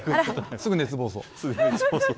すぐ熱暴走。